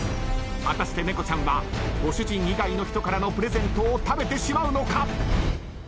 果たして猫ちゃんはご主人以外の人からのプレゼントを食べてしまうのか？